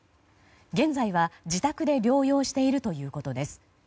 現在は、自宅で療養しているということです。